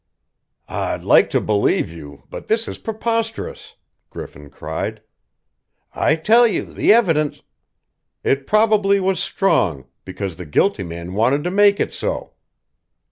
"I'd like to believe you, but this is preposterous!" Griffin cried. "I tell you the evidence " "It probably was strong, because the guilty man wanted to make it so.